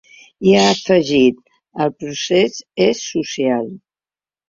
I ha afegit: El procés és social.